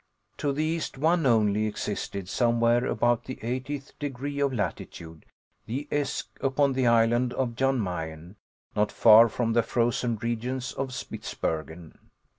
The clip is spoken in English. To the east one only existed somewhere about the eightieth degree of latitude, the Esk, upon the island of Jan Mayen, not far from the frozen regions of Spitsbergen.